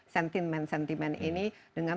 sentimen sentimen ini dengan